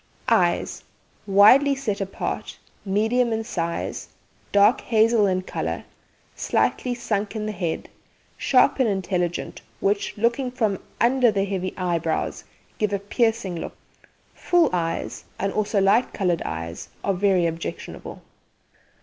EYES Widely set apart, medium in size, dark hazel in colour, slightly sunk in the head, sharp and intelligent, which, looking from under the heavy eyebrows, give a piercing look. Full eyes, and also light coloured eyes, are very objectionable.